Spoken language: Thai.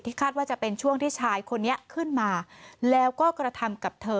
คาดว่าจะเป็นช่วงที่ชายคนนี้ขึ้นมาแล้วก็กระทำกับเธอ